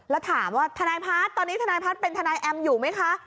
แล้วถามว่าทนายพัฒน์ตอนนี้ทนายพัฒน์เป็นทนายแอมอยู่ไหมคะ